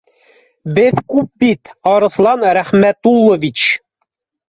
— Беҙ күп бит, Арыҫлан Рәхмәтуллович